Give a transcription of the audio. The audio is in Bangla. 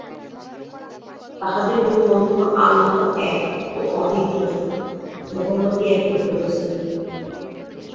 তাঁহাদের মূলমন্ত্র আল্লাহ এক ও অদ্বিতীয়, মহম্মদই একমাত্র রসুল।